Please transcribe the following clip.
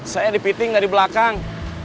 saya di piting gak di belakang